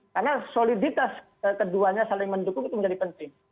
karena soliditas keduanya saling mendukung itu menjadi penting